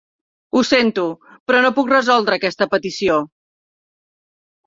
Ho sento, però no puc resoldre aquesta petició.